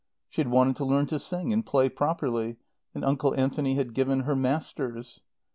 She had wanted to learn to sing and play properly, and Uncle Anthony had given her masters.